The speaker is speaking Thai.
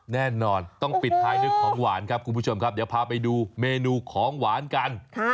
แน่นอนต้องปิดท้ายด้วยของหวานครับคุณผู้ชมครับเดี๋ยวพาไปดูเมนูของหวานกัน